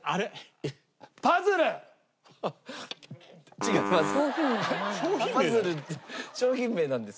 違います。